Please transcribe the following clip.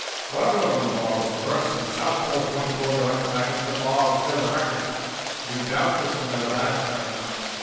However, when the bar was reversed and the south pole pointed toward the electromagnet, the bar was still attracted. You doubtless remember that experiment."